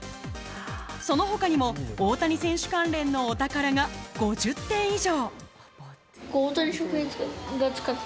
その他にも大谷選手関連のお宝が５０点以上。